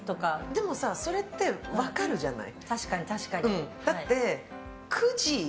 でもさ、それって分かるじゃない。